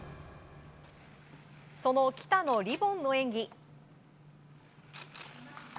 その喜田のリボンの演技。